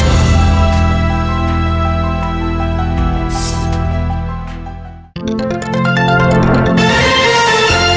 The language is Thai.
เวรเวรเวรเวร